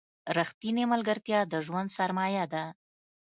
رښتینې ملګرتیا د ژوند سرمایه ده.